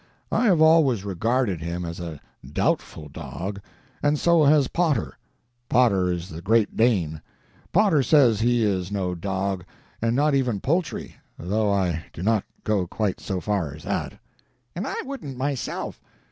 I have always regarded him as a doubtful dog, and so has Potter. Potter is the great Dane. Potter says he is no dog, and not even poultry—though I do not go quite so far as that. "And I wouldn't, myself.